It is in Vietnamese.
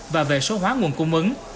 và về số hóa nguồn cung ứng